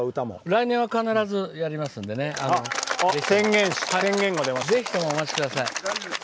来年は必ずやりますんでぜひともお待ちください。